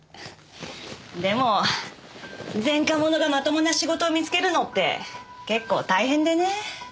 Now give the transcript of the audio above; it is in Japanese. でも前科者がまともな仕事を見つけるのって結構大変でね。